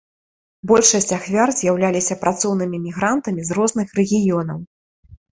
Большасць ахвяр з'яўляліся працоўнымі мігрантамі з розных рэгіёнаў.